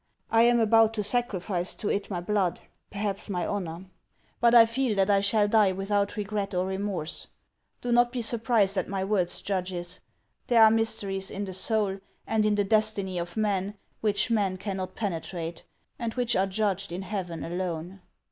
I am about to sacrifice to it my blood, perhaps my honor ; but I feel that I shall die without regret or remorse. Do not be surprised at my words, judges ; there are mysteries in the soul and in the destiny of man which men cannot penetrate, and which are judged in heaven alone.